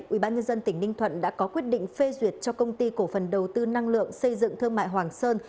ubnd tỉnh ninh thuận đã có quyết định phê duyệt cho công ty cổ phần đầu tư năng lượng xây dựng thương mại hoàng sơn